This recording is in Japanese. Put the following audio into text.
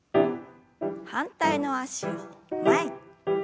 反対の脚を前に。